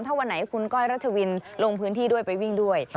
ถ้าวันไหนคุณก้อยรัชวินลงพื้นที่ด้วยไปวิ่งด้วย